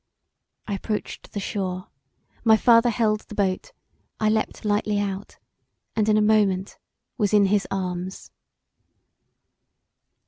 I approached the shore, my father held the boat, I leapt lightly out, and in a moment was in his arms.